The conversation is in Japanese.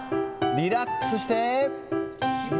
リラックスして。